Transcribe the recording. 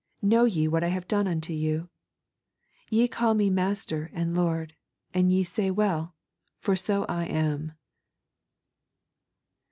Know ye what I have done unto you? Ye call Me Master and Lord, and ye say well, for so I am.'